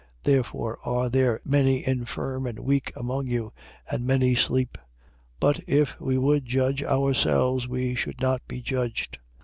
11:30. Therefore are there many infirm and weak among you: and many sleep. 11:31. But if we would judge ourselves, we should not be judged.